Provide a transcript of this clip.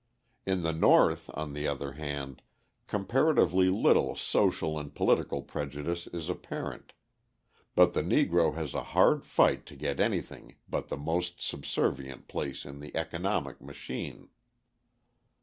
In the North, on the other hand, comparatively little social and political prejudice is apparent; but the Negro has a hard fight to get anything but the most subservient place in the economic machine.